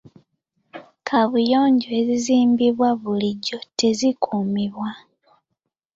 Kaabuyonjo ezizimbibwa bulijjo tezikuumibwa.